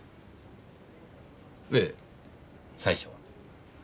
ええ最初は？